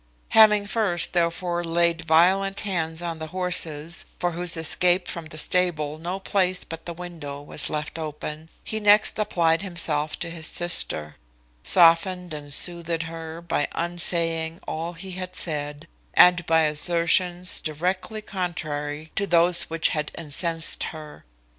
Having first, therefore, laid violent hands on the horses, for whose escape from the stable no place but the window was left open, he next applied himself to his sister; softened and soothed her, by unsaying all he had said, and by assertions directly contrary to those which had incensed her.